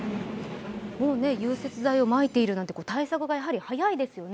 もう融雪剤をまいているなんて、対策が早いですよね。